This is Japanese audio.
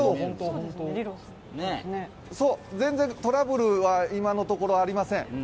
全然トラブルは今のところありません。